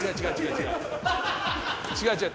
違う違う。